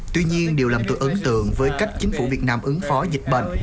tuy nhiên điều làm tôi ấn tượng với cách chính phủ việt nam ứng phó dịch bệnh